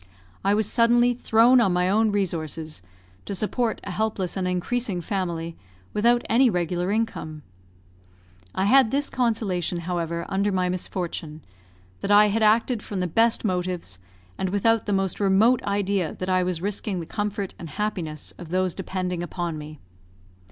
I was suddenly thrown on my own resources, to support a helpless and increasing family, without any regular income. I had this consolation, however, under my misfortune, that I had acted from the best motives, and without the most remote idea that I was risking the comfort and happiness of those depending upon me.